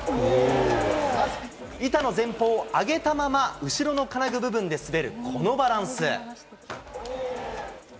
板の前方を上げたまま後ろの金具部分で滑る、このバランス。